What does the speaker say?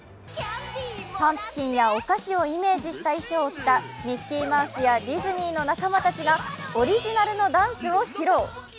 パンプキンやお菓子をイメージした衣装を着たミッキーマウスやディズニーの仲間たちがオリジナルのダンスを披露。